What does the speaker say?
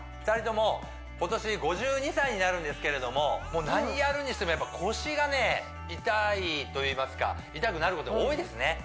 ２人とも今年５２歳になるんですけれどももう何やるにしても腰がね痛いといいますか痛くなることが多いですね